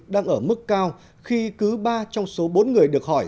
đang ở mức cao khi cứ ba trong số bốn người được hỏi